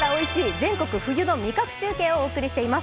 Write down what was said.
全国の冬の味覚中継をお送りしています。